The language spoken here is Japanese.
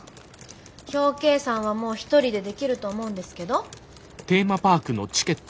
表計算はもう１人でできると思うんですけど。